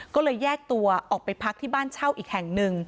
ก็เลยแยกตัวออกไปพักที่บ้านเช่าอีกแห่งหนึ่ง